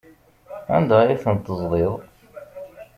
Anda ay ten-teẓḍiḍ?